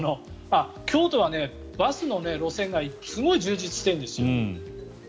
京都はバスの路線がすごい充実しているんですよ。